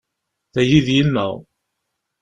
Tagi, d yemma.